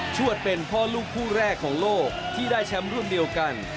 วดเป็นพ่อลูกคู่แรกของโลกที่ได้แชมป์รุ่นเดียวกัน